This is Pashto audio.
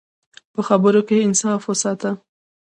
په خبرو کې انصاف وساته.